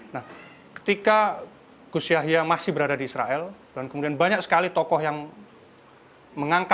nah ketika gus yahya masih berada di israel dan kemudian banyak sekali tokoh yang mengangkat